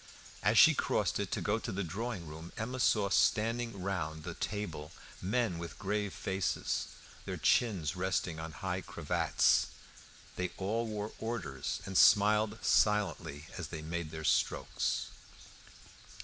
As she crossed it to go to the drawing room, Emma saw standing round the table men with grave faces, their chins resting on high cravats. They all wore orders, and smiled silently as they made their strokes.